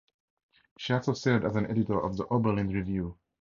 She also served as an editor of "The Oberlin Review".